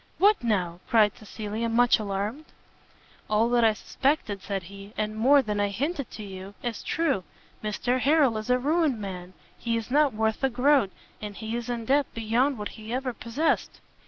"What now!" cried Cecilia, much alarmed. "All that I suspected," said he, "and more than I hinted to you, is true; Mr Harrel is a ruined man! he is not worth a groat, and he is in debt beyond what he ever possessed."